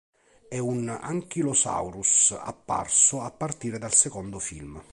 È un Ankylosaurus apparso a partire dal secondo film.